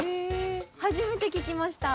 初めて聞きました。